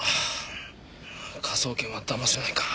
科捜研はだませないか。